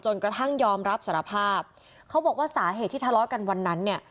กระทั่งยอมรับสารภาพเขาบอกว่าสาเหตุที่ทะเลาะกันวันนั้นเนี่ย